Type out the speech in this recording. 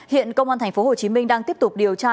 hiện công an tp hcm đang tiếp tục điều tra